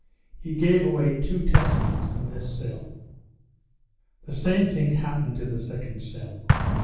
He gave away two Testaments in this cell. The same thing happened in the second cell.